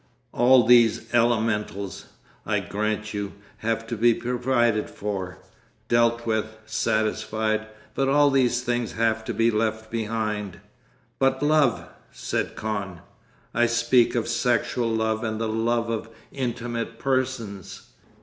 All these elementals, I grant you, have to be provided for, dealt with, satisfied, but all these things have to be left behind.' 'But Love,' said Kahn. 'I speak of sexual love and the love of intimate persons.